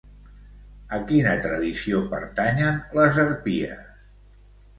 A quina tradició pertanyen les harpies?